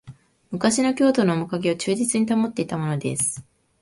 昔の京都のおもかげを忠実に保っていたものです